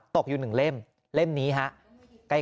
ตกอยู่๑เล่มเล่มนี้ครับ